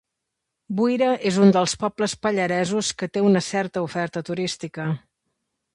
Buira és un dels pobles pallaresos que té una certa oferta turística.